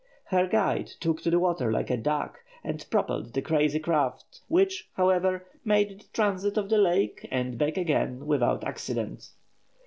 Her guide took to the water like a duck, and propelled the crazy craft, which, however, made the transit of the lake, and back again, without accident.